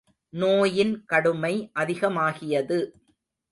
நோயின் கடுமை அதிகமாகியது.